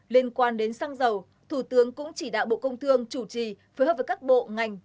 liên quan đến xăng dầu thủ tướng cũng chỉ đạo bộ công thương chủ trì phối hợp với các bộ ngành